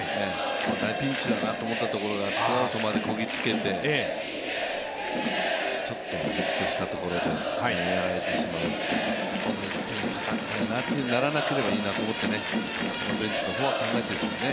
大ピンチだなと思ったところからツーアウトまでこぎ着けてちょっとホッとしたところでやられてしまうという、ここの１点痛かったよなとならなければいいなとベンチの方は考えてるんでしょうね。